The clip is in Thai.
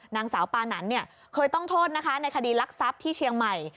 นางสาวปานันเคยต้องโทษนะคะในคดีรักทรัพย์ที่เชียงใหม่